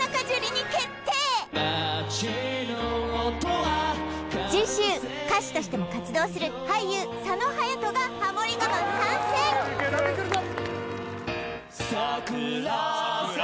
街の音は次週歌手としても活動する俳優・佐野勇斗がハモリ我慢参戦サクラ咲